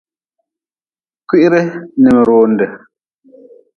Kwiri n mionde.